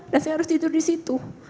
dan saya harus tidur disitu